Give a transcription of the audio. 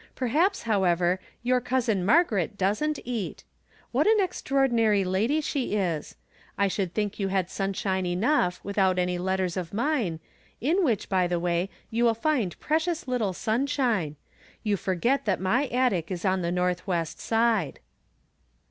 Perhaps, however, your cousin Margaret doesn't eat ! What an extraor dinary lady she is ! I should think you had sun shine enough, without any letters of mine, in wliich, by the way, you will find precious little sunshine; you forget that my attic is on the northwest side.